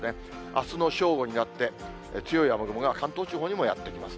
あすの正午になって、強い雨雲が関東地方にもやって来ます。